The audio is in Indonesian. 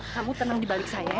kamu tenang dibalik saya ya